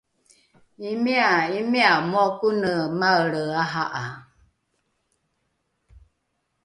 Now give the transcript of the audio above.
imia imia moa kone maelre aha’a